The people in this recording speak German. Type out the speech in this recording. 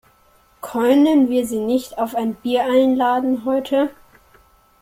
Können wir sie nicht auf ein Bier einladen heute?